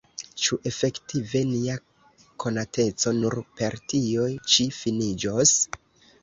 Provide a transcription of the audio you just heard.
Ĉu efektive nia konateco nur per tio ĉi finiĝos?